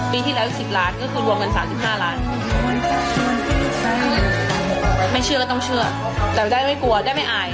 ปีที่แล้ว๑๐ล้านก็คือรวมกัน๓๕ล้านไม่เชื่อก็ต้องเชื่อแต่ว่าได้ไม่กลัวได้ไม่อาย